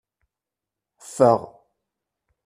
Ffeɣ!